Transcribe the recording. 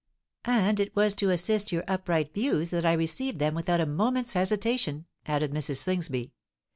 "And it was to assist your upright views that I received them without a moment's hesitation," added Mrs. Slingsby.